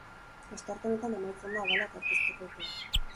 Astearte honetan amaitzen da abalak aurkezteko epea.